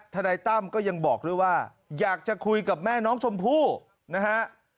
นายตั้มก็ยังบอกด้วยว่าอยากจะคุยกับแม่น้องชมพู่นะฮะ